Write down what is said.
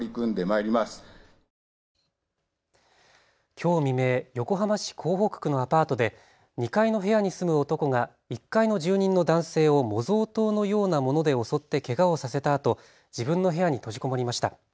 きょう未明、横浜市港北区のアパートで２階の部屋に住む男が１階の住人の男性を模造刀のようなもので襲ってけがをさせたあと自分の部屋に閉じこもりました。